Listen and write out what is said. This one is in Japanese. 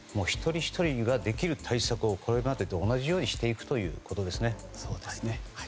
一人ひとりができる対策をこれまでと同じようにしていくということですね。